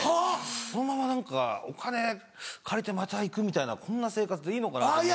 このまま何かお金借りてまた行くみたいなこんな生活でいいのかなと思って。